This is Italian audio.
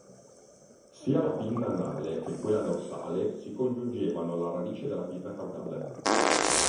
Sia la pinna anale che quella dorsale si congiungevano alla radice della pinna caudale.